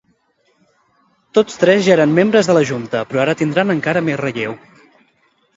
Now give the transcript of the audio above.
Tots tres ja eren membres de la junta, però ara tindran encara més relleu.